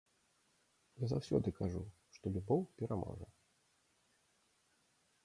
Я заўсёды кажу, што любоў пераможа.